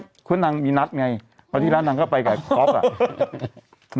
เพื่อนนางมีนักไงพอทีแล้วนางก็ไปกับฮอบอ่ะ